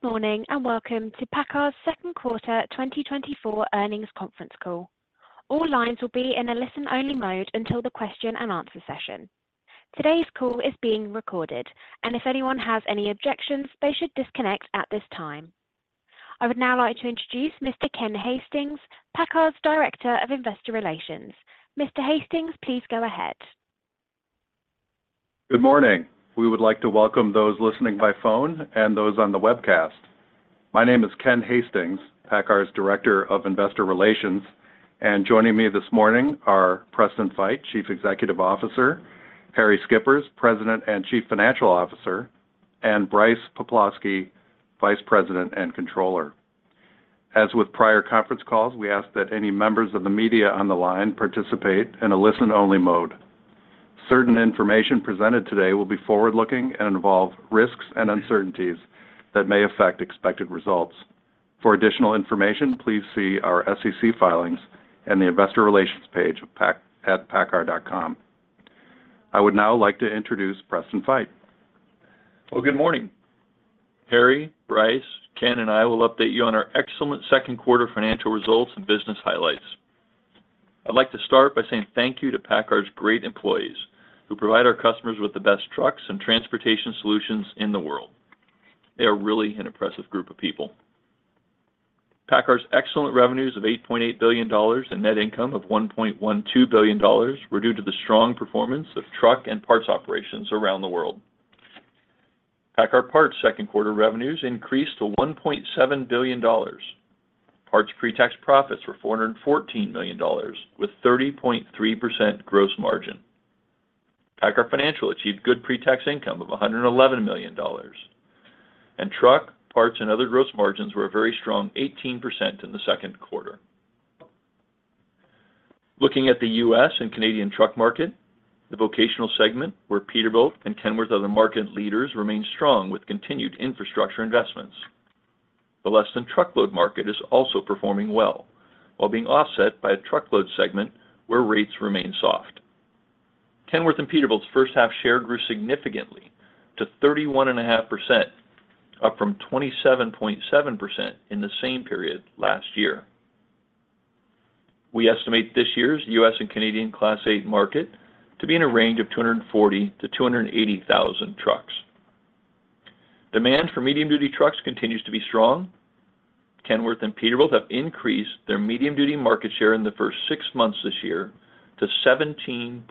Good morning and welcome to PACCAR's Second Quarter 2024 Earnings Conference Call. All lines will be in a listen-only mode until the question and answer session. Today's call is being recorded, and if anyone has any objections, they should disconnect at this time. I would now like to introduce Mr. Ken Hastings, PACCAR's Director of Investor Relations. Mr. Hastings, please go ahead. Good morning. We would like to welcome those listening by phone and those on the webcast. My name is Ken Hastings, PACCAR's Director of Investor Relations, and joining me this morning are Preston Feight, Chief Executive Officer, Harrie Schippers, President and Chief Financial Officer, and Brice Poplawski, Vice President and Controller. As with prior conference calls, we ask that any members of the media on the line participate in a listen-only mode. Certain information presented today will be forward-looking and involve risks and uncertainties that may affect expected results. For additional information, please see our SEC filings and the Investor Relations page at paccar.com. I would now like to introduce Preston Feight. Well, good morning. Harrie, Brice, Ken, and I will update you on our excellent second quarter financial results and business highlights. I'd like to start by saying thank you to PACCAR's great employees who provide our customers with the best trucks and transportation solutions in the world. They are really an impressive group of people. PACCAR's excellent revenues of $8.8 billion and net income of $1.12 billion were due to the strong performance of truck and parts operations around the world. PACCAR Parts' second quarter revenues increased to $1.7 billion. Parts pre-tax profits were $414 million, with 30.3% gross margin. PACCAR Financial achieved good pre-tax income of $111 million, and truck, parts, and other gross margins were a very strong 18% in the second quarter. Looking at the U.S. and Canadian truck market, the vocational segment, where Peterbilt and Kenworth are the market leaders, remains strong with continued infrastructure investments. The less-than-truckload market is also performing well, while being offset by a truckload segment where rates remain soft. Kenworth and Peterbilt's first-half share grew significantly to 31.5%, up from 27.7% in the same period last year. We estimate this year's U.S. and Canadian Class 8 market to be in a range of 240,000-280,000 trucks. Demand for medium-duty trucks continues to be strong. Kenworth and Peterbilt have increased their medium-duty market share in the first six months this year to 17.3%,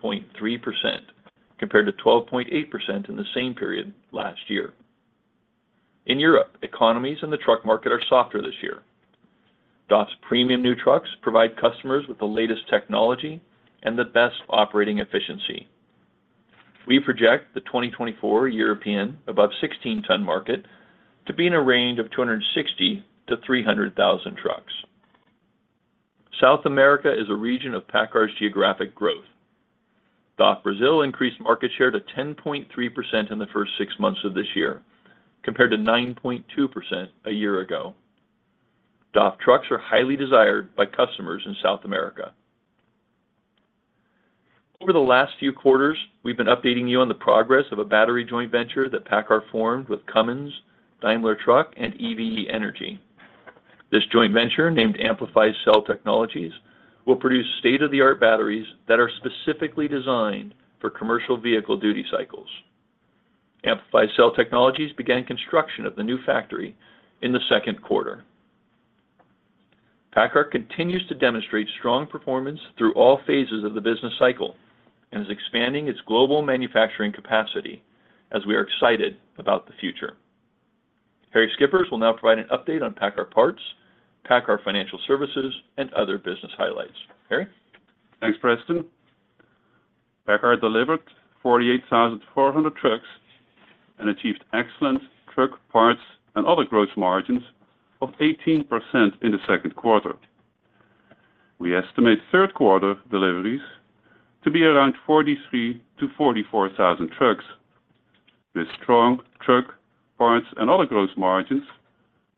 compared to 12.8% in the same period last year. In Europe, economies in the truck market are softer this year. DAF's premium new trucks provide customers with the latest technology and the best operating efficiency. We project the 2024 European above-16-ton market to be in a range of 260,000-300,000 trucks. South America is a region of PACCAR's geographic growth. DAF Brazil increased market share to 10.3% in the first six months of this year, compared to 9.2% a year ago. DAF trucks are highly desired by customers in South America. Over the last few quarters, we've been updating you on the progress of a battery joint venture that PACCAR formed with Cummins, Daimler Truck, and EVE Energy. This joint venture, named Amplify Cell Technologies, will produce state-of-the-art batteries that are specifically designed for commercial vehicle duty cycles. Amplify Cell Technologies began construction of the new factory in the second quarter. PACCAR continues to demonstrate strong performance through all phases of the business cycle and is expanding its global manufacturing capacity, as we are excited about the future. Harrie Schippers will now provide an update on PACCAR Parts, PACCAR Financial Services, and other business highlights. Harrie? Thanks, Preston. PACCAR delivered 48,400 trucks and achieved excellent truck parts and other gross margins of 18% in the second quarter. We estimate third-quarter deliveries to be around 43,000-44,000 trucks, with strong truck parts and other gross margins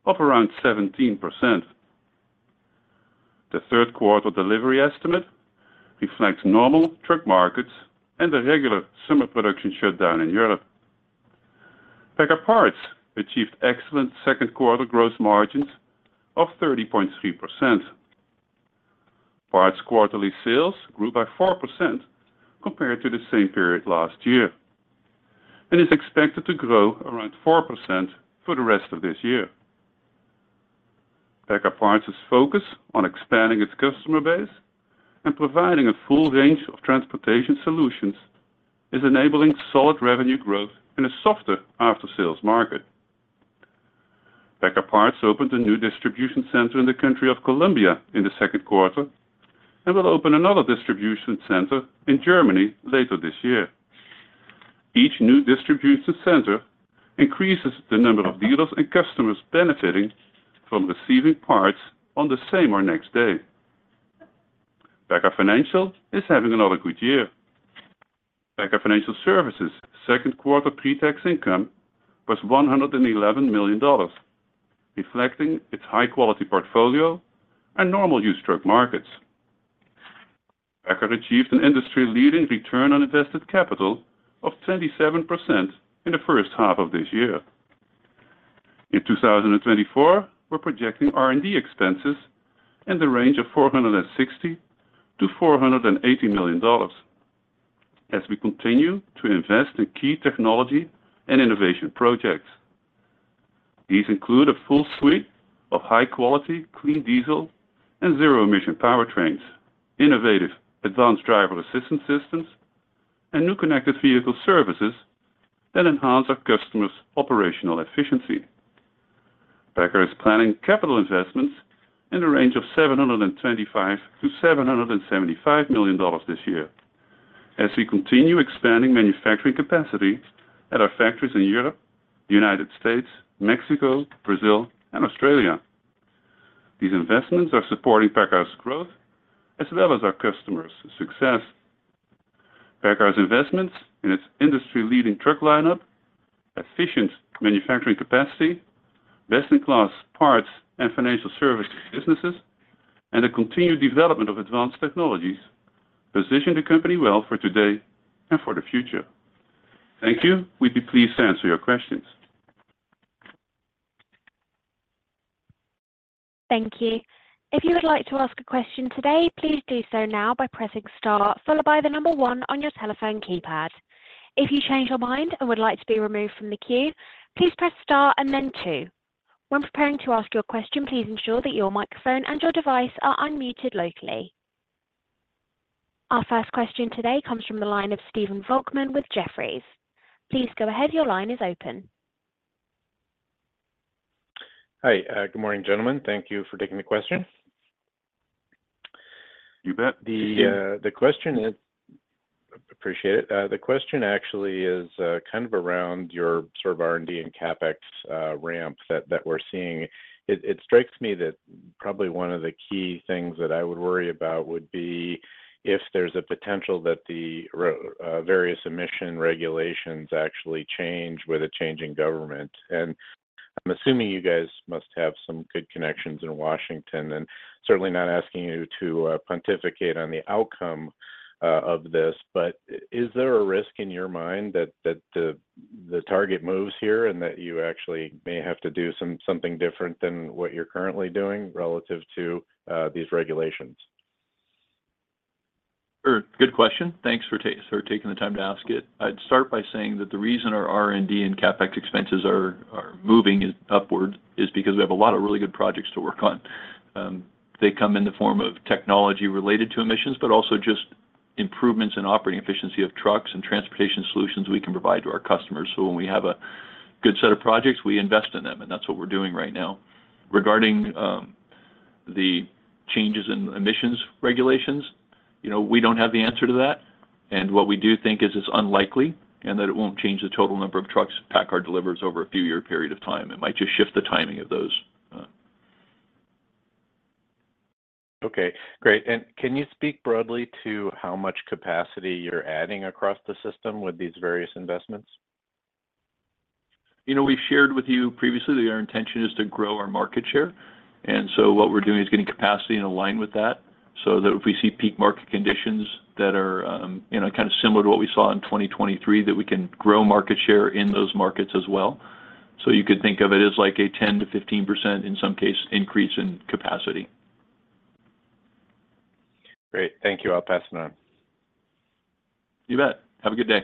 of around 17%. The third-quarter delivery estimate reflects normal truck markets and the regular summer production shutdown in Europe. PACCAR Parts achieved excellent second-quarter gross margins of 30.3%. Parts quarterly sales grew by 4% compared to the same period last year and is expected to grow around 4% for the rest of this year. PACCAR Parts' focus on expanding its customer base and providing a full range of transportation solutions is enabling solid revenue growth in a softer after-sales market. PACCAR Parts opened a new distribution center in the country of Colombia in the second quarter and will open another distribution center in Germany later this year. Each new distribution center increases the number of dealers and customers benefiting from receiving parts on the same or next day. PACCAR Financial Services is having another good year. PACCAR Financial Services' second-quarter pre-tax income was $111 million, reflecting its high-quality portfolio and normal-use truck markets. PACCAR achieved an industry-leading return on invested capital of 27% in the first half of this year. In 2024, we're projecting R&D expenses in the range of $460 million-$480 million, as we continue to invest in key technology and innovation projects. These include a full suite of high-quality, clean diesel and zero-emission powertrains, innovative advanced driver assistance systems, and new connected vehicle services that enhance our customers' operational efficiency. PACCAR is planning capital investments in the range of $725 million-$775 million this year, as we continue expanding manufacturing capacity at our factories in Europe, the United States, Mexico, Brazil, and Australia. These investments are supporting PACCAR's growth as well as our customers' success. PACCAR's investments in its industry-leading truck lineup, efficient manufacturing capacity, best-in-class parts and financial services businesses, and the continued development of advanced technologies position the company well for today and for the future. Thank you. We'd be pleased to answer your questions. Thank you. If you would like to ask a question today, please do so now by pressing star, followed by the nubmer one on your telephone keypad. If you change your mind and would like to be removed from the queue, please press star and then two. When preparing to ask your question, please ensure that your microphone and your device are unmuted locally. Our first question today comes from the line of Stephen Volkmann with Jefferies. Please go ahead. Your line is open. Hi. Good morning, gentlemen. Thank you for taking the question. You bet. The question is. Appreciate it. The question actually is kind of around your sort of R&D and CapEx ramp that we're seeing. It strikes me that probably one of the key things that I would worry about would be if there's a potential that the various emission regulations actually change with a changing government. I'm assuming you guys must have some good connections in Washington, and certainly not asking you to pontificate on the outcome of this, but is there a risk in your mind that the target moves here and that you actually may have to do something different than what you're currently doing relative to these regulations? Good question. Thanks for taking the time to ask it. I'd start by saying that the reason our R&D and CapEx expenses are moving upward is because we have a lot of really good projects to work on. They come in the form of technology related to emissions, but also just improvements in operating efficiency of trucks and transportation solutions we can provide to our customers. When we have a good set of projects, we invest in them, and that's what we're doing right now. Regarding the changes in emissions regulations, we don't have the answer to that. What we do think is it's unlikely and that it won't change the total number of trucks PACCAR delivers over a few-year period of time. It might just shift the timing of those. Okay. Great. And can you speak broadly to how much capacity you're adding across the system with these various investments? We've shared with you previously that our intention is to grow our market share. And so what we're doing is getting capacity in line with that so that if we see peak market conditions that are kind of similar to what we saw in 2023, that we can grow market share in those markets as well. So you could think of it as like a 10%-15%, in some cases, increase in capacity. Great. Thank you. I'll pass it on. You bet. Have a good day.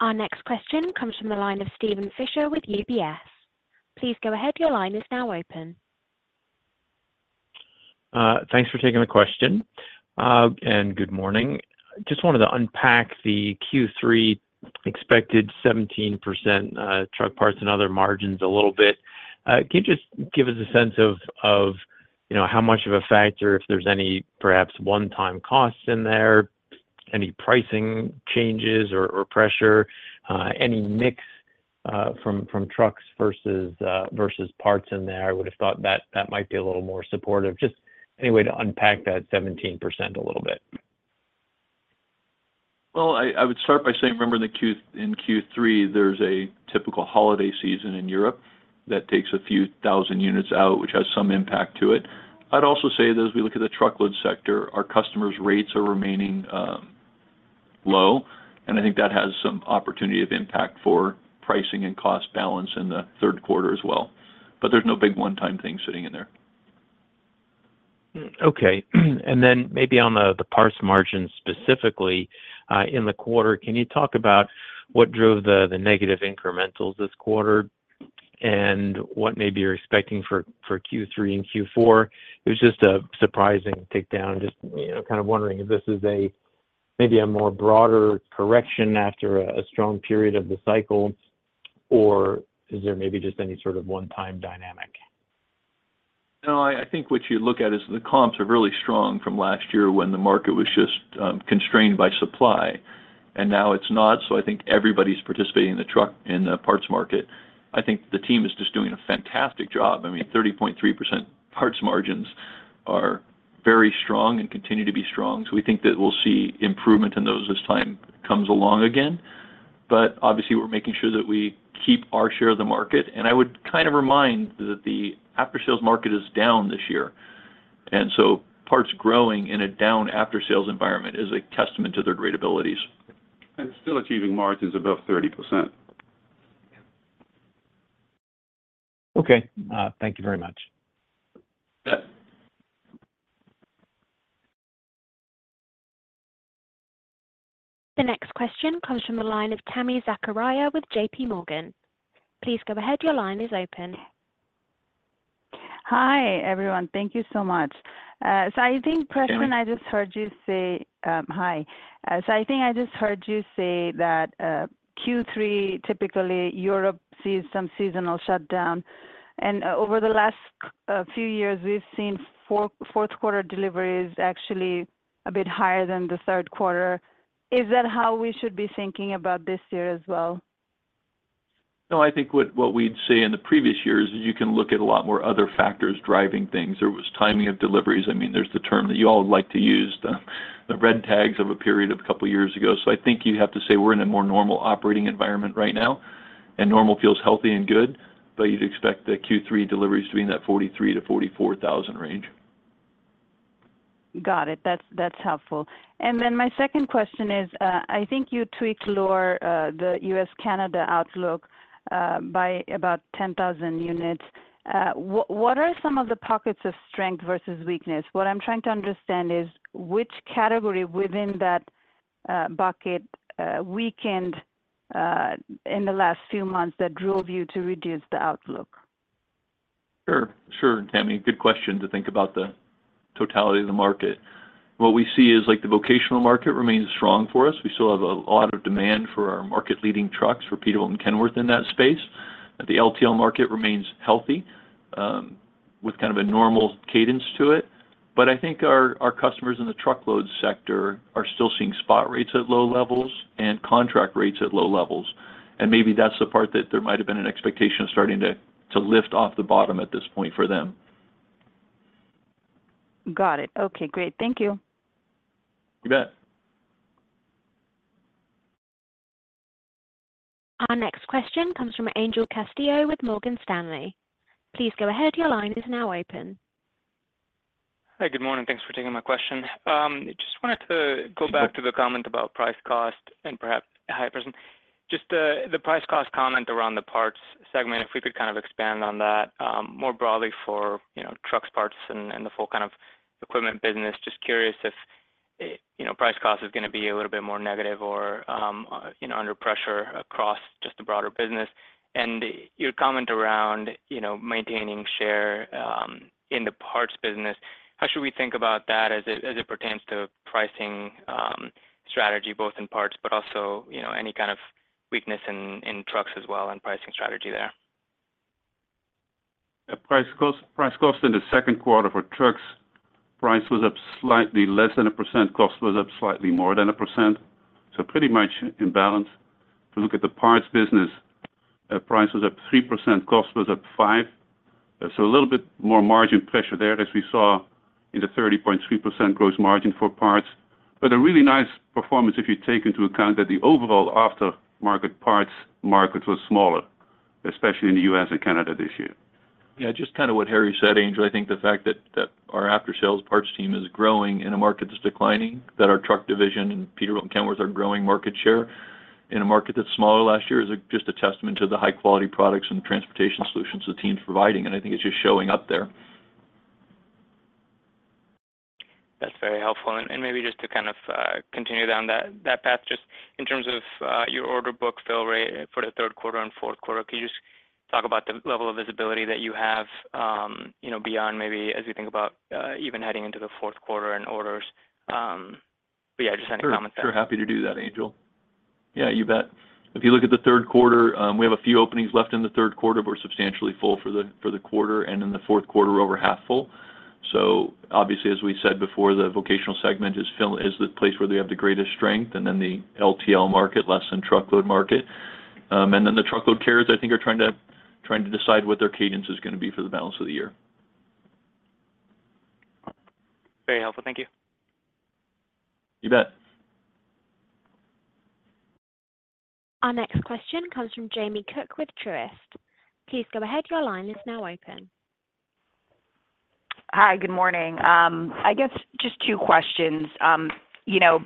Our next question comes from the line of Steven Fisher with UBS. Please go ahead. Your line is now open. Thanks for taking the question. Good morning. Just wanted to unpack the Q3 expected 17% truck parts and other margins a little bit. Can you just give us a sense of how much of a factor, if there's any perhaps one-time costs in there, any pricing changes or pressure, any mix from trucks versus parts in there? I would have thought that might be a little more supportive. Just any way to unpack that 17% a little bit. Well, I would start by saying, remember, in Q3, there's a typical holiday season in Europe that takes a few thousand units out, which has some impact to it. I'd also say that as we look at the truckload sector, our customers' rates are remaining low, and I think that has some opportunity of impact for pricing and cost balance in the third quarter as well. But there's no big one-time thing sitting in there. Okay. And then maybe on the parts margins specifically, in the quarter, can you talk about what drove the negative incrementals this quarter and what maybe you're expecting for Q3 and Q4? It was just a surprising takedown. Just kind of wondering if this is maybe a more broader correction after a strong period of the cycle, or is there maybe just any sort of one-time dynamic? No. I think what you look at is the comps are really strong from last year when the market was just constrained by supply, and now it's not. So I think everybody's participating in the truck and the parts market. I think the team is just doing a fantastic job. I mean, 30.3% parts margins are very strong and continue to be strong. So we think that we'll see improvement in those as time comes along again. But obviously, we're making sure that we keep our share of the market. And I would kind of remind that the after-sales market is down this year. And so parts growing in a down after-sales environment is a testament to their great abilities. And still achieving margins above 30%. Okay. Thank you very much. The next question comes from the line of Tami Zakaria with JPMorgan. Please go ahead. Your line is open. Hi, everyone. Thank you so much. So I think, Preston, I just heard you say hi. So I think I just heard you say that Q3, typically, Europe sees some seasonal shutdown. And over the last few years, we've seen fourth-quarter deliveries actually a bit higher than the third quarter. Is that how we should be thinking about this year as well? No. I think what we'd say in the previous years is you can look at a lot more other factors driving things. There was timing of deliveries. I mean, there's the term that you all would like to use, the red tags of a period a couple of years ago. So I think you have to say we're in a more normal operating environment right now, and normal feels healthy and good, but you'd expect the Q3 deliveries to be in that 43,000-44,000 range. Got it. That's helpful. And then my second question is, I think you tweaked lower the U.S.-Canada outlook by about 10,000 units. What are some of the pockets of strength versus weakness? What I'm trying to understand is which category within that bucket weakened in the last few months that drove you to reduce the outlook? Sure. Sure, Tami. Good question to think about the totality of the market. What we see is the vocational market remains strong for us. We still have a lot of demand for our market-leading trucks, for Peterbilt and Kenworth in that space. The LTL market remains healthy with kind of a normal cadence to it. But I think our customers in the truckload sector are still seeing spot rates at low levels and contract rates at low levels. And maybe that's the part that there might have been an expectation of starting to lift off the bottom at this point for them. Got it. Okay. Great. Thank you. You bet. Our next question comes from Angel Castillo with Morgan Stanley. Please go ahead. Your line is now open. Hi. Good morning. Thanks for taking my question. I just wanted to go back to the comment about price, cost, and perhaps hi, Preston. Just the price, cost comment around the parts segment, if we could kind of expand on that more broadly for trucks, parts, and the full kind of equipment business. Just curious if price, cost is going to be a little bit more negative or under pressure across just the broader business. And your comment around maintaining share in the parts business, how should we think about that as it pertains to pricing strategy, both in parts, but also any kind of weakness in trucks as well and pricing strategy there? Price cost in the second quarter for trucks, price was up slightly less than 1%. Cost was up slightly more than 1%. So pretty much in balance. If you look at the parts business, price was up 3%. Cost was up 5%. So a little bit more margin pressure there as we saw in the 30.3% gross margin for parts. But a really nice performance if you take into account that the overall after-market parts market was smaller, especially in the U.S. and Canada this year. Yeah. Just kind of what Harrie said, Angel. I think the fact that our after-sales parts team is growing in a market that's declining, that our truck division and Peterbilt and Kenworth are growing market share in a market that's smaller last year is just a testament to the high-quality products and transportation solutions the team's providing. I think it's just showing up there. That's very helpful. Maybe just to kind of continue down that path, just in terms of your order book fill rate for the third quarter and fourth quarter, could you just talk about the level of visibility that you have beyond maybe as you think about even heading into the fourth quarter and orders? Yeah, just any comment there. Sure. Happy to do that, Angel. Yeah. You bet. If you look at the third quarter, we have a few openings left in the third quarter, but we're substantially full for the quarter, and in the fourth quarter, we're over half full. So obviously, as we said before, the vocational segment is the place where they have the greatest strength, and then the LTL market, less-than-truckload market. And then the truckload carriers, I think, are trying to decide what their cadence is going to be for the balance of the year. Very helpful. Thank you. You bet. Our next question comes from Jamie Cook with Truist. Please go ahead. Your line is now open. Hi. Good morning. I guess just two questions.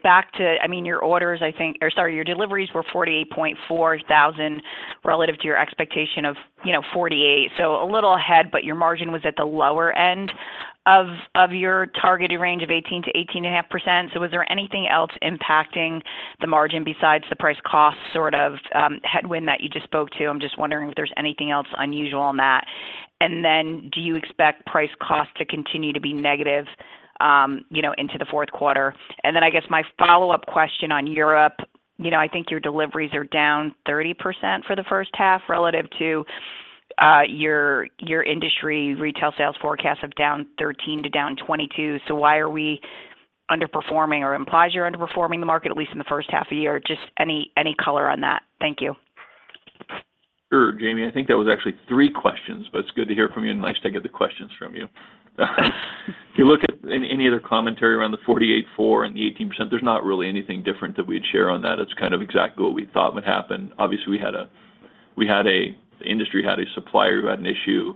Back to, I mean, your orders, I think or sorry, your deliveries were 48,400 relative to your expectation of 48. So a little ahead, but your margin was at the lower end of your targeted range of 18%-18.5%. So was there anything else impacting the margin besides the price, cost sort of headwind that you just spoke to? I'm just wondering if there's anything else unusual on that. And then do you expect price, cost to continue to be negative into the fourth quarter? And then I guess my follow-up question on Europe, I think your deliveries are down 30% for the first half relative to your industry. Retail sales forecasts of down 13%-22%. So why are we underperforming or implies you're underperforming the market, at least in the first half of year? Just any color on that. Thank you. Sure, Jamie. I think that was actually three questions, but it's good to hear from you and nice to get the questions from you. If you look at any other commentary around the 48,400 and the 18%, there's not really anything different that we'd share on that. It's kind of exactly what we thought would happen. Obviously, the industry had a supplier who had an issue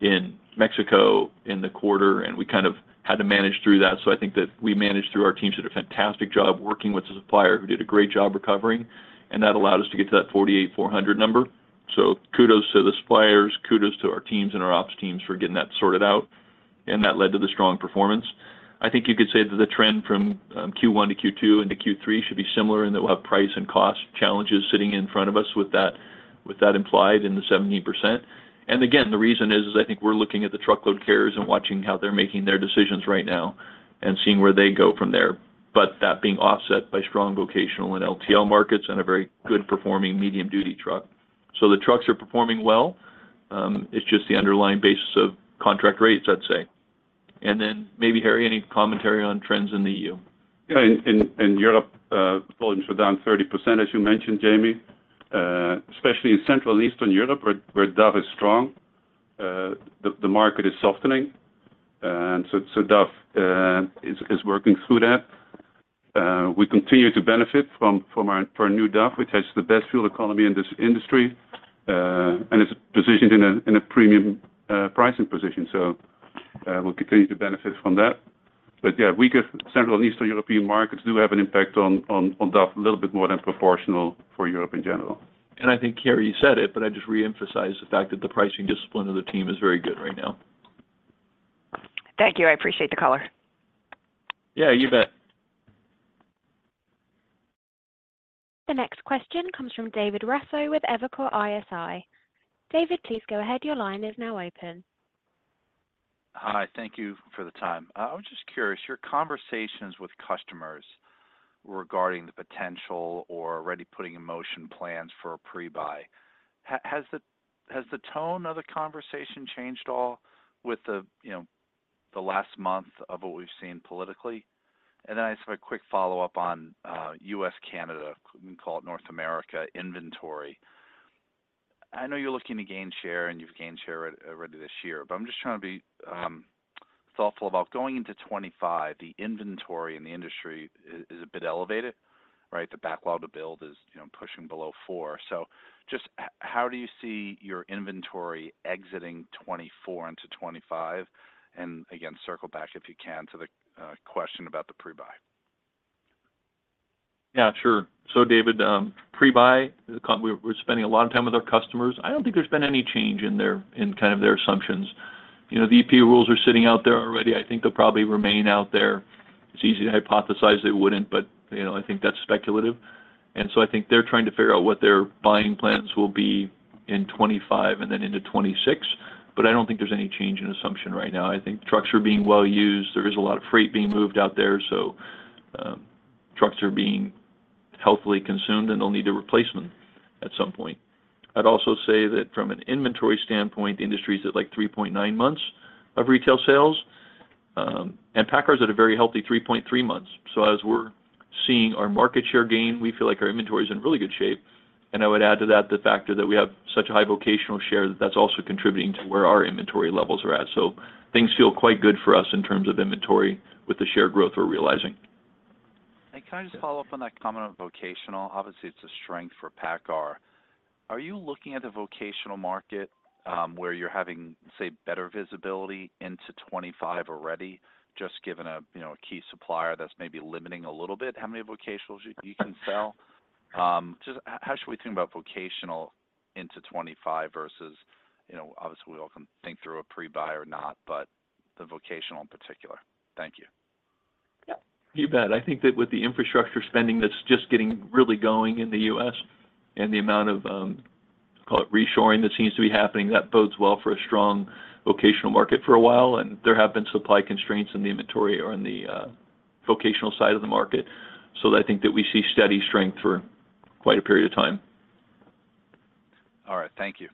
in Mexico in the quarter, and we kind of had to manage through that. So I think that we managed through. Our teams did a fantastic job working with the supplier who did a great job recovering, and that allowed us to get to that 48,400 number. So kudos to the suppliers, kudos to our teams and our ops teams for getting that sorted out. And that led to the strong performance. I think you could say that the trend from Q1 to Q2 into Q3 should be similar in that we'll have price and cost challenges sitting in front of us with that implied in the 17%. And again, the reason is I think we're looking at the truckload carriers and watching how they're making their decisions right now and seeing where they go from there, but that being offset by strong vocational and LTL markets and a very good-performing medium-duty truck. So the trucks are performing well. It's just the underlying basis of contract rates, I'd say. And then maybe, Harrie, any commentary on trends in the EU? Yeah. In Europe, volumes were down 30%, as you mentioned, Jamie, especially in Central and Eastern Europe where DAF is strong. The market is softening. And so DAF is working through that. We continue to benefit from our new DAF, which has the best fuel economy in this industry and is positioned in a premium pricing position. So we'll continue to benefit from that. But yeah, weakest Central and Eastern European markets do have an impact on DAF a little bit more than proportional for Europe in general. And I think, Harrie, you said it, but I just re-emphasize the fact that the pricing discipline of the team is very good right now. Thank you. I appreciate the color. Yeah. You bet. The next question comes from David Raso with Evercore ISI. David, please go ahead. Your line is now open. Hi. Thank you for the time. I was just curious, your conversations with customers regarding the potential or already putting in motion plans for a pre-buy, has the tone of the conversation changed at all with the last month of what we've seen politically? And then I just have a quick follow-up on U.S.-Canada, we can call it North America inventory. I know you're looking to gain share, and you've gained share already this year, but I'm just trying to be thoughtful about going into 2025. The inventory in the industry is a bit elevated, right? The backlog to build is pushing below four. So just how do you see your inventory exiting 2024 into 2025? And again, circle back if you can to the question about the pre-buy. Yeah. Sure. So David, pre-buy, we're spending a lot of time with our customers. I don't think there's been any change in kind of their assumptions. The EPA rules are sitting out there already. I think they'll probably remain out there. It's easy to hypothesize they wouldn't, but I think that's speculative. So I think they're trying to figure out what their buying plans will be in 2025 and then into 2026. But I don't think there's any change in assumption right now. I think trucks are being well used. There is a lot of freight being moved out there. So trucks are being healthily consumed, and they'll need a replacement at some point. I'd also say that from an inventory standpoint, the industry's at like 3.9 months of retail sales. And PACCAR's at a very healthy 3.3 months. As we're seeing our market share gain, we feel like our inventory is in really good shape. I would add to that the factor that we have such a high vocational share that that's also contributing to where our inventory levels are at. Things feel quite good for us in terms of inventory with the share growth we're realizing. Can I just follow up on that comment on vocational? Obviously, it's a strength for PACCAR. Are you looking at the vocational market where you're having, say, better visibility into 2025 already, just given a key supplier that's maybe limiting a little bit how many vocationals you can sell? Just how should we think about vocational into 2025 versus obviously, we all can think through a pre-buy or not, but the vocational in particular? Thank you. Yeah. You bet. I think that with the infrastructure spending that's just getting really going in the U.S. and the amount of, call it, reshoring that seems to be happening, that bodes well for a strong vocational market for a while. There have been supply constraints in the inventory or in the vocational side of the market. I think that we see steady strength for quite a period of time. All right. Thank you.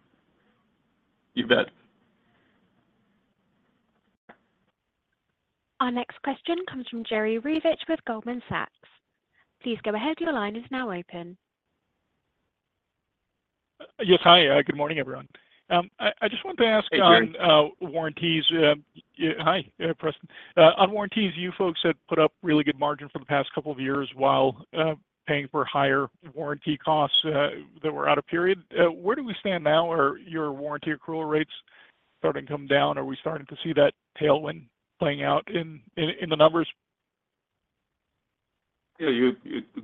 You bet. Our next question comes from Jerry Revich with Goldman Sachs. Please go ahead. Your line is now open. Yes. Hi. Good morning, everyone. I just wanted to ask. Hey, Jerry. Warranties. Hi, Preston. On warranties, you folks had put up really good margin for the past couple of years while paying for higher warranty costs that were out of period. Where do we stand now? Are your warranty accrual rates starting to come down? Are we starting to see that tailwind playing out in the numbers? Yeah.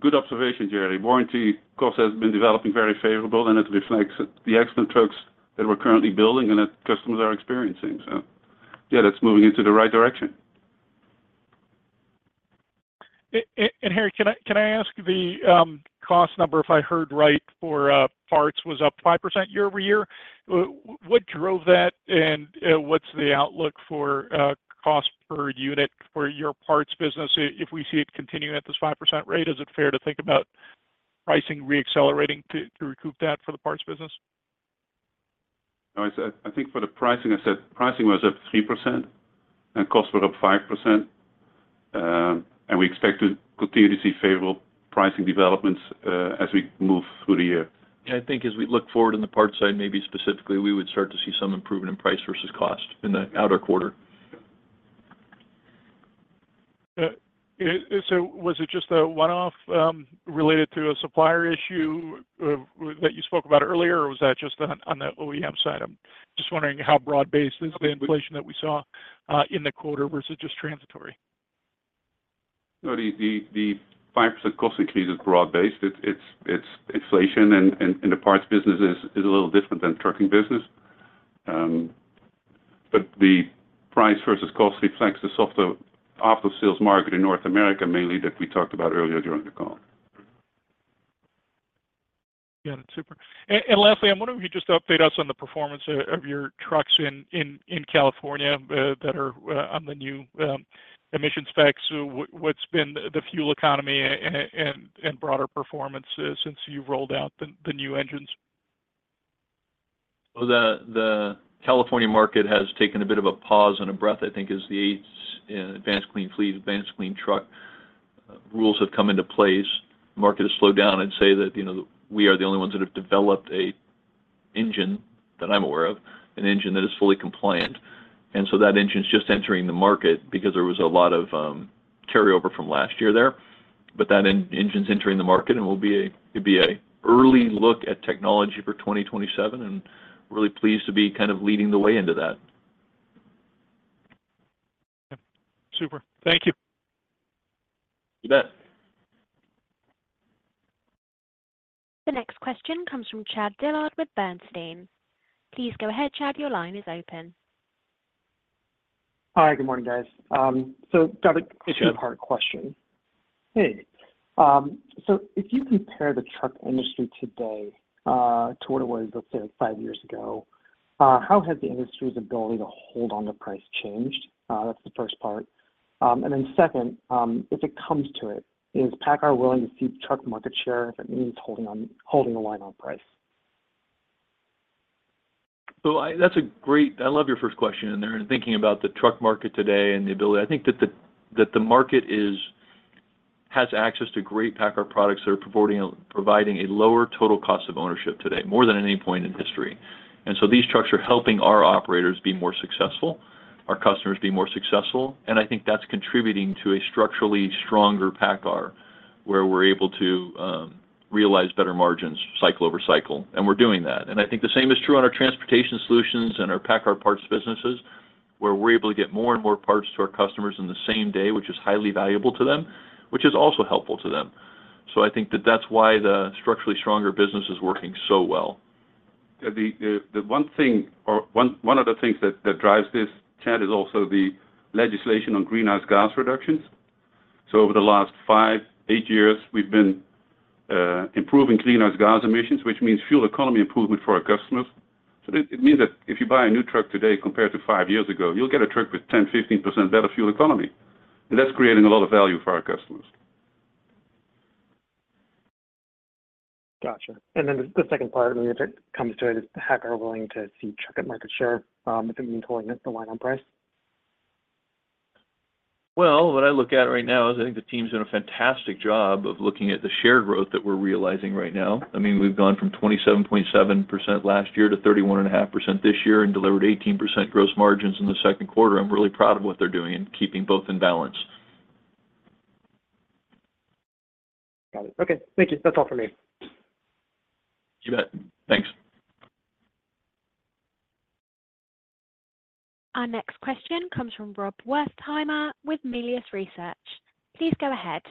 Good observation, Jerry. Warranty cost has been developing very favorably, and it reflects the excellent trucks that we're currently building and that customers are experiencing. So yeah, that's moving into the right direction. Harrie, can I ask the cost number, if I heard right, for parts was up 5% year-over-year? What drove that, and what's the outlook for cost per unit for your parts business if we see it continue at this 5% rate? Is it fair to think about pricing re-accelerating to recoup that for the parts business? I think for the pricing, I said pricing was up 3% and costs were up 5%. And we expect to continue to see favorable pricing developments as we move through the year. Yeah. I think as we look forward in the parts side, maybe specifically, we would start to see some improvement in price versus cost in the outer quarter. So was it just a one-off related to a supplier issue that you spoke about earlier, or was that just on the OEM side? I'm just wondering how broad-based is the inflation that we saw in the quarter versus just transitory? No. The 5% cost increase is broad-based. It's inflation, and the parts business is a little different than trucking business. But the price versus cost reflects the soft after-sales market in North America mainly that we talked about earlier during the call. Got it. Super. And lastly, I'm wondering if you could just update us on the performance of your trucks in California that are on the new emission specs. What's been the fuel economy and broader performance since you've rolled out the new engines? Well, the California market has taken a bit of a pause and a breath, I think, as the Advanced Clean Fleets, Advanced Clean Trucks rules have come into place. The market has slowed down. I'd say that we are the only ones that have developed an engine that I'm aware of, an engine that is fully compliant. And so that engine's just entering the market because there was a lot of carryover from last year there. But that engine's entering the market, and it'd be an early look at technology for 2027, and really pleased to be kind of leading the way into that. Okay. Super. Thank you. You bet. The next question comes from Chad Dillard with Bernstein. Please go ahead, Chad. Your line is open. Hi. Good morning, guys. So got an issue of hard question. Hey. So if you compare the truck industry today to what it was, let's say, like five years ago, how has the industry's ability to hold on to price changed? That's the first part. And then second, if it comes to it, is PACCAR willing to see truck market share if it means holding the line on price? So that's a great I love your first question in there. And thinking about the truck market today and the ability, I think that the market has access to great PACCAR products that are providing a lower total cost of ownership today, more than at any point in history. And so these trucks are helping our operators be more successful, our customers be more successful. And I think that's contributing to a structurally stronger PACCAR where we're able to realize better margins cycle over cycle. And we're doing that. And I think the same is true on our transportation solutions and our PACCAR Parts businesses where we're able to get more and more parts to our customers in the same day, which is highly valuable to them, which is also helpful to them. So I think that that's why the structurally stronger business is working so well. Yeah. The one thing or one of the things that drives this, Chad, is also the legislation on greenhouse gas reductions. So over the last five, eight years, we've been improving greenhouse gas emissions, which means fuel economy improvement for our customers. So it means that if you buy a new truck today compared to five years ago, you'll get a truck with 10%-15% better fuel economy. And that's creating a lot of value for our customers. Gotcha. And then the second part, when it comes to it, is PACCAR willing to see truck market share if it means holding the line on price? Well, what I look at right now is I think the team's done a fantastic job of looking at the share growth that we're realizing right now. I mean, we've gone from 27.7% last year to 31.5% this year and delivered 18% gross margins in the second quarter. I'm really proud of what they're doing and keeping both in balance. Got it. Okay. Thank you. That's all for me. You bet. Thanks. Our next question comes from Rob Wertheimer with Melius Research. Please go ahead.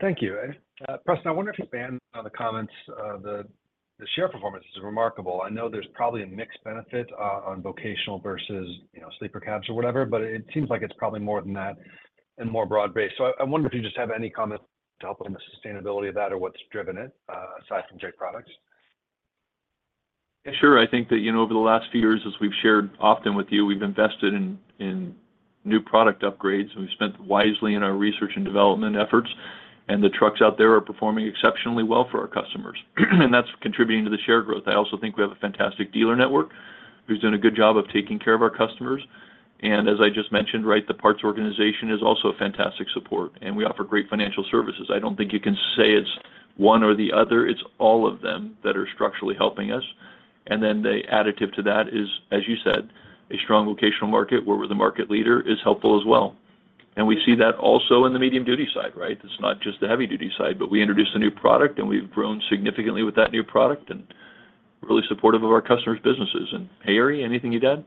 Thank you. Preston, I wonder if you expand on the comments. The share performance is remarkable. I know there's probably a mixed benefit on vocational versus sleeper cabs or whatever, but it seems like it's probably more than that and more broad-based. So I wonder if you just have any comments to help with the sustainability of that or what's driven it aside from Jake products. Yeah. Sure. I think that over the last few years, as we've shared often with you, we've invested in new product upgrades, and we've spent wisely in our research and development efforts. And the trucks out there are performing exceptionally well for our customers. And that's contributing to the share growth. I also think we have a fantastic dealer network who's done a good job of taking care of our customers. And as I just mentioned, right, the parts organization is also a fantastic support. And we offer great financial services. I don't think you can say it's one or the other. It's all of them that are structurally helping us. And then the additive to that is, as you said, a strong vocational market where we're the market leader is helpful as well. And we see that also in the medium-duty side, right? It's not just the heavy-duty side, but we introduced a new product, and we've grown significantly with that new product and really supportive of our customers' businesses. And Harrie, anything you'd add?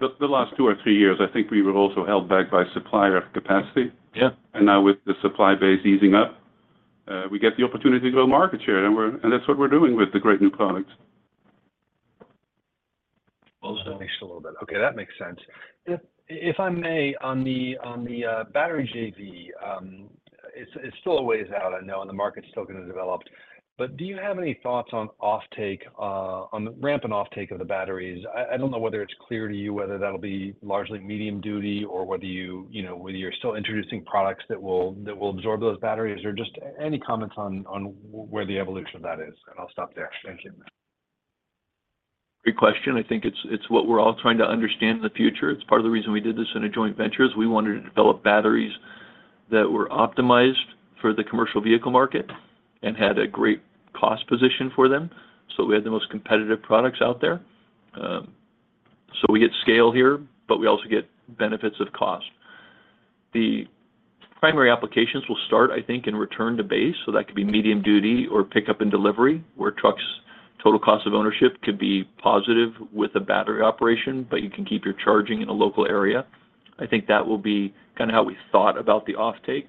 The last two or three years, I think we were also held back by supplier capacity. Now with the supply base easing up, we get the opportunity to grow market share. That's what we're doing with the great new product. Well, so at least a little bit. Okay. That makes sense. If I may, on the battery JV, it's still a ways out. I know the market's still going to develop. But do you have any thoughts on off-take, on the ramp and off-take of the batteries? I don't know whether it's clear to you whether that'll be largely medium-duty or whether you're still introducing products that will absorb those batteries or just any comments on where the evolution of that is. And I'll stop there. Thank you. Great question. I think it's what we're all trying to understand in the future. It's part of the reason we did this in a joint venture is we wanted to develop batteries that were optimized for the commercial vehicle market and had a great cost position for them. So we had the most competitive products out there. So we get scale here, but we also get benefits of cost. The primary applications will start, I think, in return to base. So that could be medium-duty or pickup and delivery where trucks' total cost of ownership could be positive with a battery operation, but you can keep your charging in a local area. I think that will be kind of how we thought about the off-take.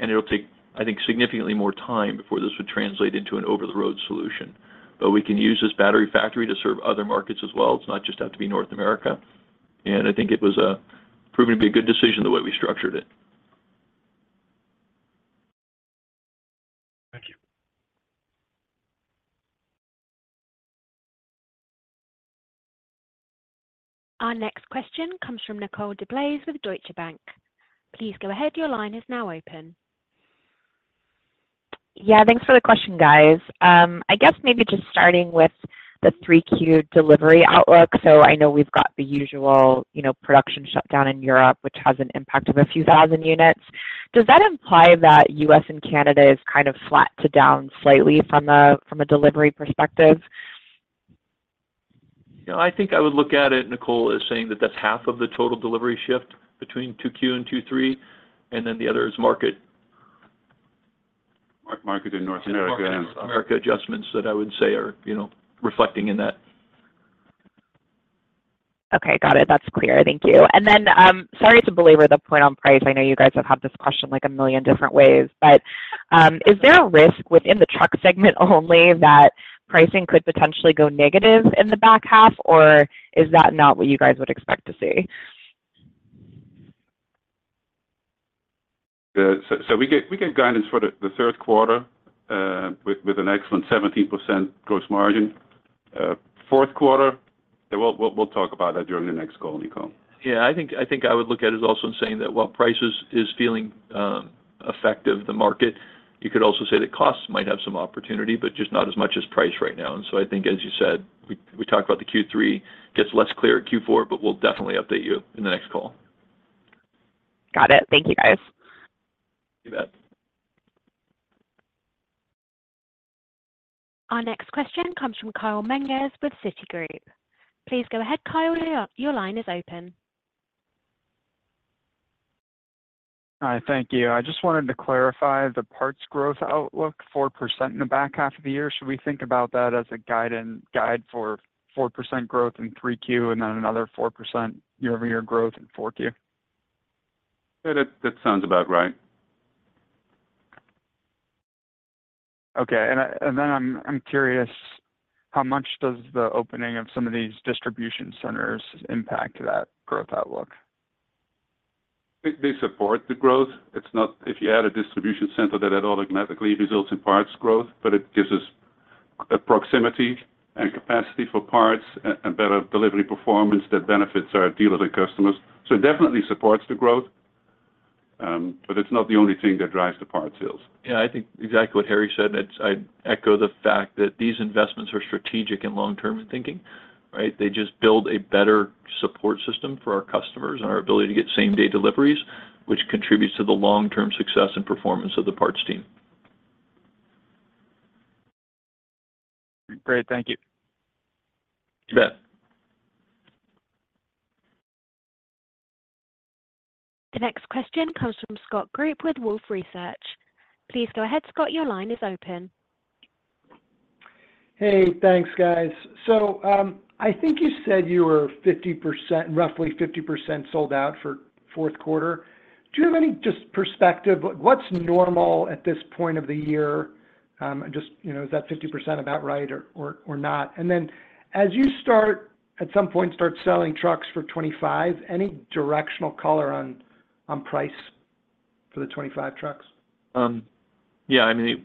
It'll take, I think, significantly more time before this would translate into an over-the-road solution. But we can use this battery factory to serve other markets as well. It's not just have to be North America. I think it was proven to be a good decision the way we structured it. Thank you. Our next question comes from Nicole DeBlase with Deutsche Bank. Please go ahead. Your line is now open. Yeah. Thanks for the question, guys. I guess maybe just starting with the 3Q delivery outlook. So I know we've got the usual production shutdown in Europe, which has an impact of a few thousand units. Does that imply that U.S. and Canada is kind of flat to down slightly from a delivery perspective? Yeah. I think I would look at it, Nicole, as saying that that's half of the total delivery shift between 2Q and 2023, and then the other is market. Market in North America. Market adjustments that I would say are reflecting in that. Okay. Got it. That's clear. Thank you. And then sorry to belabor the point on price. I know you guys have had this question like a million different ways. But is there a risk within the truck segment only that pricing could potentially go negative in the back half, or is that not what you guys would expect to see? So we get guidance for the third quarter with an excellent 17% gross margin. Fourth quarter, we'll talk about that during the next call, Nicole. Yeah. I think I would look at it as also in saying that while price is feeling effective, the market, you could also say that costs might have some opportunity, but just not as much as price right now. And so I think, as you said, we talked about the Q3 gets less clear at Q4, but we'll definitely update you in the next call. Got it. Thank you, guys. You bet. Our next question comes from Kyle Menges with Citigroup. Please go ahead, Kyle. Your line is open. Hi. Thank you. I just wanted to clarify the parts growth outlook, 4% in the back half of the year. Should we think about that as a guide for 4% growth in 3Q and then another 4% year-over-year growth in 4Q? Yeah. That sounds about right. Okay. And then I'm curious, how much does the opening of some of these distribution centers impact that growth outlook? They support the growth. If you add a distribution center, that automatically results in parts growth, but it gives us proximity and capacity for parts and better delivery performance that benefits our dealers and customers. So it definitely supports the growth, but it's not the only thing that drives the parts sales. Yeah. I think exactly what Harrie said. I'd echo the fact that these investments are strategic and long-term in thinking, right? They just build a better support system for our customers and our ability to get same-day deliveries, which contributes to the long-term success and performance of the parts team. Great. Thank you. You bet. The next question comes from Scott Group with Wolfe Research. Please go ahead, Scott. Your line is open. Hey. Thanks, guys. So I think you said you were roughly 50% sold out for fourth quarter. Do you have any just perspective? What's normal at this point of the year? Just is that 50% about right or not? And then as you start at some point, start selling trucks for 2025, any directional color on price for the 2025 trucks? Yeah. I mean,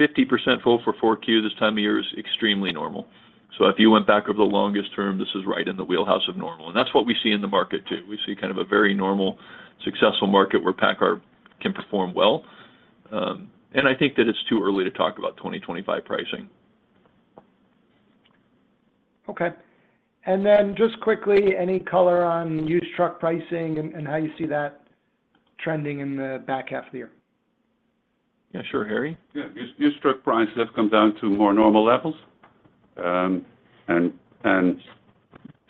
50% full for 4Q this time of year is extremely normal. So if you went back over the longest term, this is right in the wheelhouse of normal. And that's what we see in the market too. We see kind of a very normal, successful market where PACCAR can perform well. And I think that it's too early to talk about 2025 pricing. Okay. And then just quickly, any color on used truck pricing and how you see that trending in the back half of the year? Yeah. Sure, Harrie. Yeah. Used truck prices have come down to more normal levels. And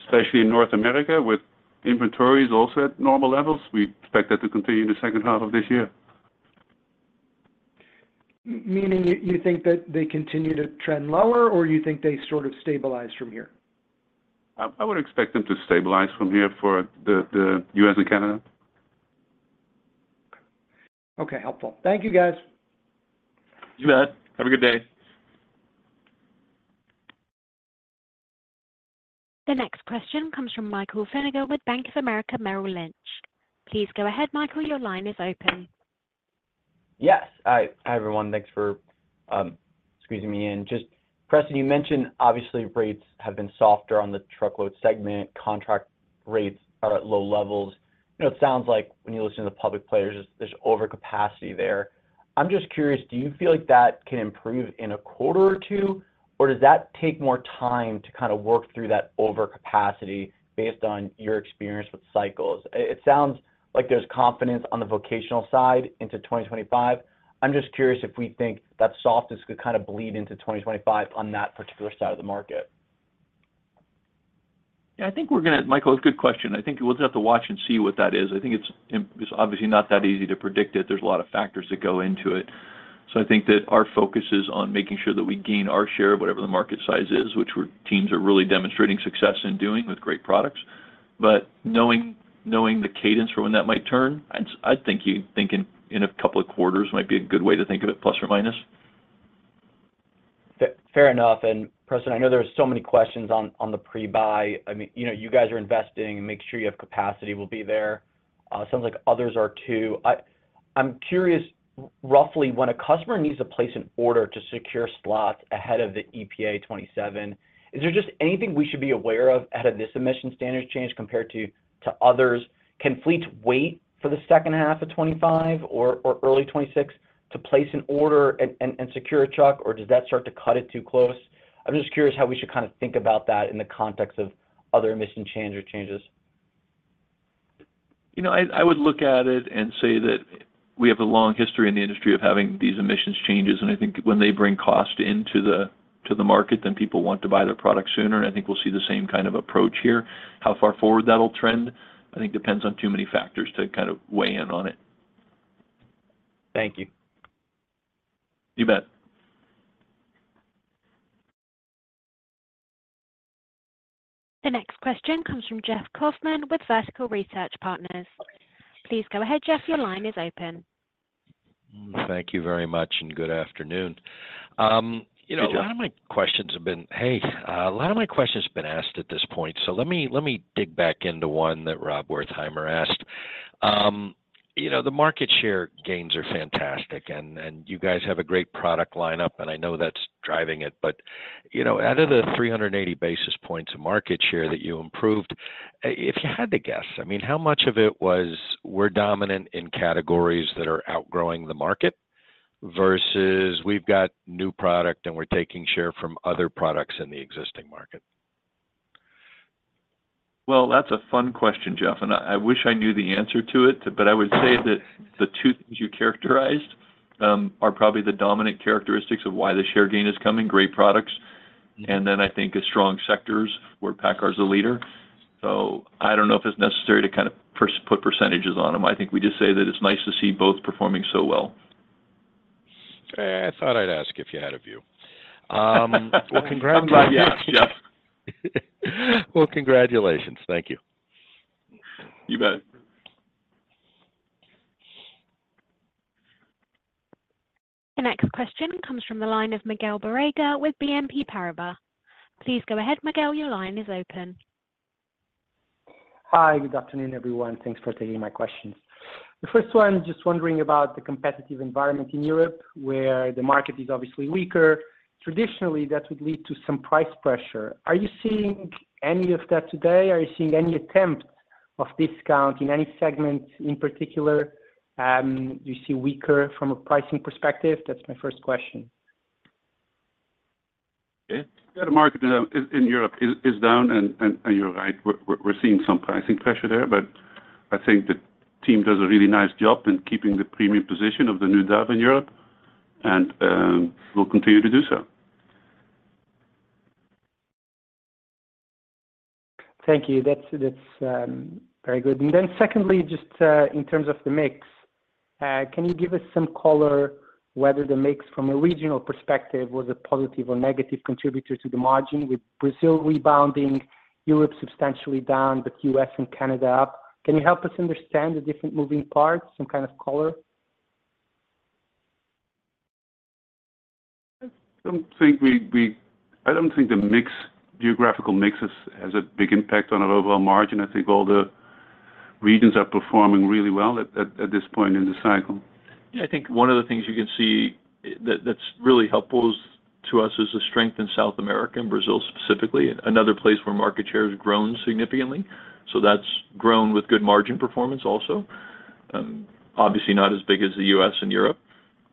especially in North America, with inventories also at normal levels, we expect that to continue in the second half of this year. Meaning you think that they continue to trend lower, or you think they sort of stabilize from here? I would expect them to stabilize from here for the U.S. and Canada. Okay. Helpful. Thank you, guys. You bet. Have a good day. The next question comes from Michael Feniger with Bank of America Merrill Lynch. Please go ahead, Michael. Your line is open. Yes. Hi, everyone. Thanks for squeezing me in. Just Preston, you mentioned obviously rates have been softer on the truckload segment. Contract rates are at low levels. It sounds like when you listen to the public players, there's overcapacity there. I'm just curious, do you feel like that can improve in a quarter or two, or does that take more time to kind of work through that overcapacity based on your experience with cycles? It sounds like there's confidence on the vocational side into 2025. I'm just curious if we think that softness could kind of bleed into 2025 on that particular side of the market? Yeah. I think we're going to Michael, it's a good question. I think we'll just have to watch and see what that is. I think it's obviously not that easy to predict it. There's a lot of factors that go into it. So I think that our focus is on making sure that we gain our share of whatever the market size is, which teams are really demonstrating success in doing with great products. But knowing the cadence for when that might turn, I'd think in a couple of quarters might be a good way to think of it, plus or minus. Fair enough. Preston, I know there were so many questions on the pre-buy. I mean, you guys are investing. Make sure you have capacity will be there. Sounds like others are too. I'm curious, roughly, when a customer needs to place an order to secure slots ahead of the EPA 2027, is there just anything we should be aware of ahead of this emission standards change compared to others? Can fleets wait for the second half of 2025 or early 2026 to place an order and secure a truck, or does that start to cut it too close? I'm just curious how we should kind of think about that in the context of other emission changes or changes. I would look at it and say that we have a long history in the industry of having these emissions changes. I think when they bring cost into the market, then people want to buy their product sooner. I think we'll see the same kind of approach here. How far forward that'll trend, I think, depends on too many factors to kind of weigh in on it. Thank you. You bet. The next question comes from Jeff Kauffman with Vertical Research Partners. Please go ahead, Jeff. Your line is open. Thank you very much and good afternoon. A lot of my questions have been asked at this point. So let me dig back into one that Rob Wertheimer asked. The market share gains are fantastic. And you guys have a great product lineup. And I know that's driving it. But out of the 380 basis points of market share that you improved, if you had to guess, I mean, how much of it was we're dominant in categories that are outgrowing the market versus we've got new product and we're taking share from other products in the existing market? Well, that's a fun question, Jeff. I wish I knew the answer to it. I would say that the two things you characterized are probably the dominant characteristics of why the share gain is coming: great products. Then I think strong sectors where PACCAR is the leader. I don't know if it's necessary to kind of put percentages on them. I think we just say that it's nice to see both performing so well. I thought I'd ask if you had a view. Well, congratulations. Well, congratulations. Thank you. You bet. The next question comes from the line of Miguel Borrega with BNP Paribas. Please go ahead, Miguel. Your line is open. Hi. Good afternoon, everyone. Thanks for taking my questions. The first one, just wondering about the competitive environment in Europe where the market is obviously weaker. Traditionally, that would lead to some price pressure. Are you seeing any of that today? Are you seeing any attempt of discount in any segment in particular? Do you see weaker from a pricing perspective? That's my first question. Yeah. The market in Europe is down. You're right. We're seeing some pricing pressure there. But I think the team does a really nice job in keeping the premium position of the new DAF in Europe and will continue to do so. Thank you. That's very good. And then secondly, just in terms of the mix, can you give us some color whether the mix from a regional perspective was a positive or negative contributor to the margin with Brazil rebounding, Europe substantially down, but U.S. and Canada up? Can you help us understand the different moving parts, some kind of color? I don't think the geographical mix has a big impact on our overall margin. I think all the regions are performing really well at this point in the cycle. Yeah. I think one of the things you can see that's really helpful to us is the strength in South America and Brazil specifically, another place where market share has grown significantly. So that's grown with good margin performance also. Obviously, not as big as the U.S. and Europe,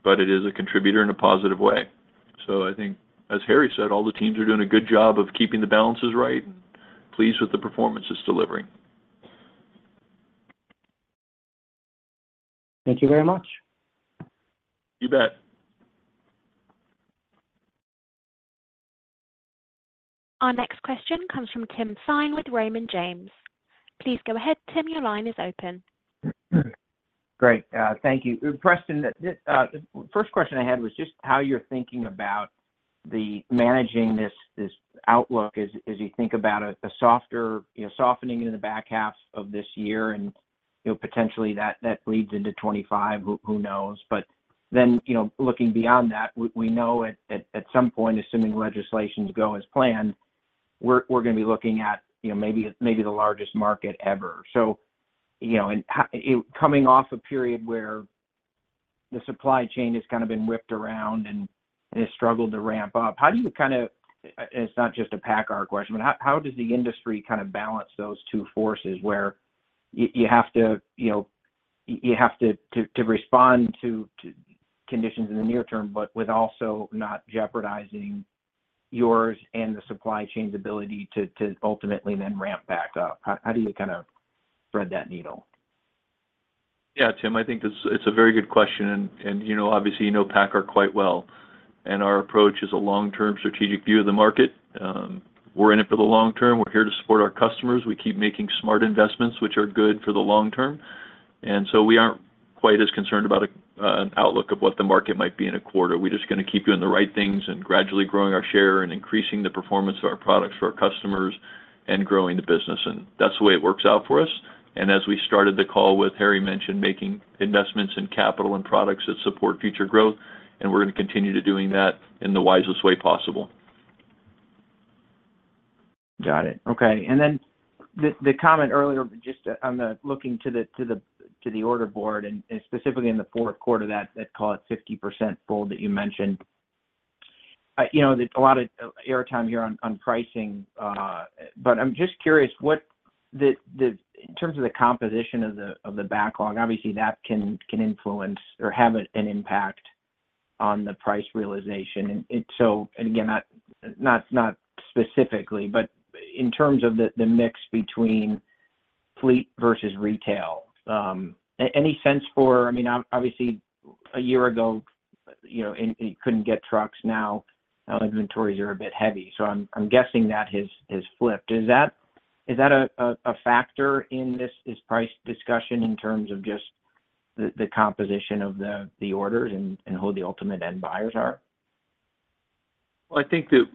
but it is a contributor in a positive way. So I think, as Harrie said, all the teams are doing a good job of keeping the balances right and pleased with the performance it's delivering. Thank you very much. You bet. Our next question comes from Tim Thein with Raymond James. Please go ahead, Tim. Your line is open. Great. Thank you. Preston, the first question I had was just how you're thinking about managing this outlook as you think about a softening in the back half of this year. Potentially, that bleeds into 2025. Who knows? Then looking beyond that, we know at some point, assuming legislations go as planned, we're going to be looking at maybe the largest market ever. So coming off a period where the supply chain has kind of been whipped around and has struggled to ramp up, how do you kind of, and it's not just a PACCAR question, but how does the industry kind of balance those two forces where you have to respond to conditions in the near term but with also not jeopardizing yours and the supply chain's ability to ultimately then ramp back up? How do you kind of thread that needle? Yeah, Tim, I think it's a very good question. And obviously, you know PACCAR quite well. And our approach is a long-term strategic view of the market. We're in it for the long term. We're here to support our customers. We keep making smart investments, which are good for the long term. And so we aren't quite as concerned about an outlook of what the market might be in a quarter. We're just going to keep doing the right things and gradually growing our share and increasing the performance of our products for our customers and growing the business. And that's the way it works out for us. And as we started the call with, Harrie mentioned making investments in capital and products that support future growth. And we're going to continue to do that in the wisest way possible. Got it. Okay. And then the comment earlier just on looking to the order board and specifically in the fourth quarter, that call it 50% full that you mentioned, a lot of airtime here on pricing. But I'm just curious, in terms of the composition of the backlog, obviously, that can influence or have an impact on the price realization. And again, not specifically, but in terms of the mix between fleet versus retail, any sense for—I mean, obviously, a year ago, you couldn't get trucks. Now, inventories are a bit heavy. So I'm guessing that has flipped. Is that a factor in this price discussion in terms of just the composition of the orders and who the ultimate end buyers are? Well, I think that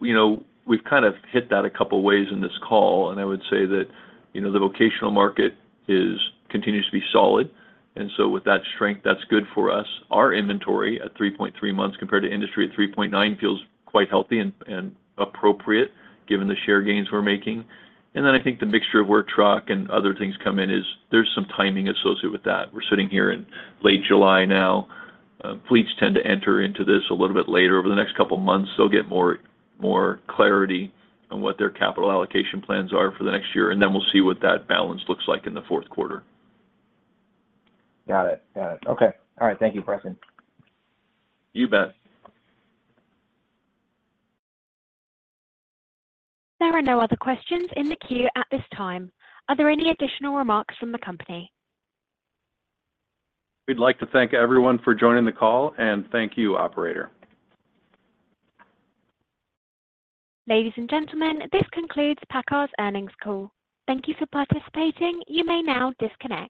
we've kind of hit that a couple of ways in this call. I would say that the vocational market continues to be solid. With that strength, that's good for us. Our inventory at 3.3 months compared to industry at 3.9 feels quite healthy and appropriate given the share gains we're making. Then I think the mixture of where truck and other things come in is there's some timing associated with that. We're sitting here in late July now. Fleets tend to enter into this a little bit later. Over the next couple of months, they'll get more clarity on what their capital allocation plans are for the next year. Then we'll see what that balance looks like in the fourth quarter. Got it. Got it. Okay. All right. Thank you, Preston. You bet. There are no other questions in the queue at this time. Are there any additional remarks from the company? We'd like to thank everyone for joining the call. Thank you, operator. Ladies and gentlemen, this concludes PACCAR's earnings call. Thank you for participating. You may now disconnect.